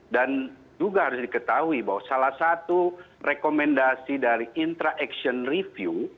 dan juga harus diketahui bahwa salah satu rekomendasi dari intra action review